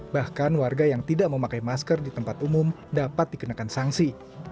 bahkan warga yang tidak memakai masker di tempat umum dapat dikenakan sanksi